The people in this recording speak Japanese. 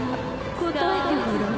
答えてごらん。